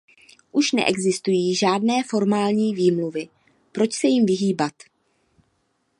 Už neexistují žádné formální výmluvy, proč se jim vyhýbat.